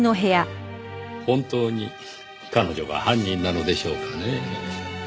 本当に彼女が犯人なのでしょうかねぇ。